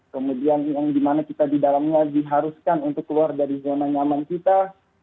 kemudian yang dimana kita di dalamnya diharuskan untuk keluar dari zona nyaman kita